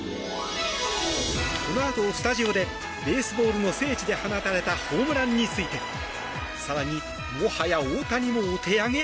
このあとスタジオでベースボールの聖地で放たれたホームランについて更に、もはや大谷もお手上げ？